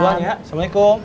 bukan ya assalamualaikum